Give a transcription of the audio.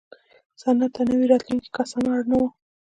صنعت ته نوي راتلونکي کسان اړ نه وو.